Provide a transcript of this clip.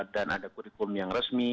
dan ada kurikulum yang resmi